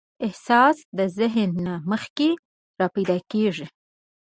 احساس د ذهن نه مخکې راپیدا کېږي.